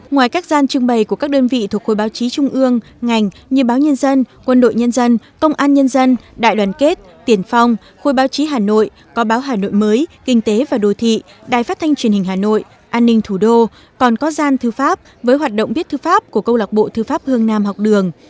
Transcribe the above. ngoài các gian trưng bày của các đơn vị thuộc khối báo chí trung ương ngành như báo nhân dân quân đội nhân dân công an nhân dân đại đoàn kết tiền phong khối báo chí hà nội có báo hà nội mới kinh tế và đồ thị đài phát thanh truyền hình hà nội an ninh thủ đô còn có gian thư pháp với hoạt động biết thư pháp của câu lạc bộ thư pháp hương nam học đường